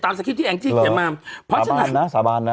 ตามสะครีปตะแองส์ที่เขียวมาเพราะฉะนั้นนะสะบานนะสะบานนะ